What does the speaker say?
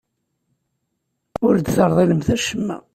Ur d-terḍilem acemma.